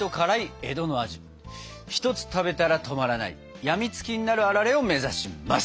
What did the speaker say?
１つ食べたら止まらない病みつきになるあられを目指します。